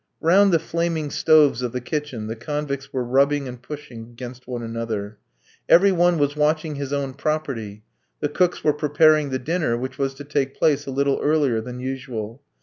Round the flaming stoves of the kitchen the convicts were rubbing and pushing against one another. Every one was watching his own property. The cooks were preparing the dinner, which was to take place a little earlier than usual.